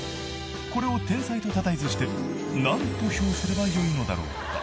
［これを天才とたたえずして何と評すればよいのだろうか］